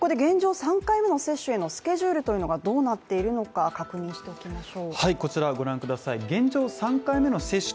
３回目の接種のスケジュールというのがどうなっているのか確認しておきましょう。